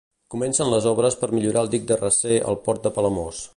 Comencen les obres per millorar el dic de recer al port de Palamós.